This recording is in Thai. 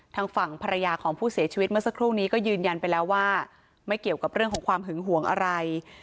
ทางฝั่งภรรยาของผู้เสียชีวิตเมื่อสักครู่นี้ก็ยืนยันไปแล้วว่าไม่เกี่ยวกับเรื่องของความหึงหวงอะไร